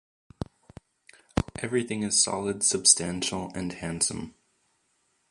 Everything is solid, substantial, and handsome.